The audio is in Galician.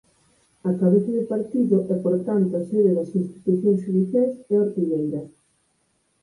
A cabeza de partido e por tanto sede das institucións xudiciais é Ortigueira.